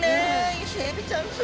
イセエビちゃんす